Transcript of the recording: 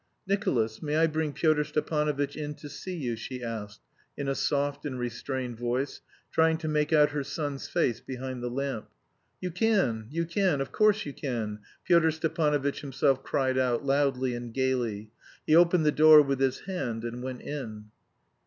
"Nicolas, may I bring Pyotr Stepanovitch in to see you?" she asked, in a soft and restrained voice, trying to make out her son's face behind the lamp. "You can you can, of course you can," Pyotr Stepanovitch himself cried out, loudly and gaily. He opened the door with his hand and went in.